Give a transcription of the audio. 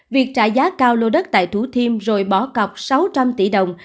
việc trả giá cao lô đất tại thủ thiêm rồi bỏ cọc sáu trăm linh tỷ đồng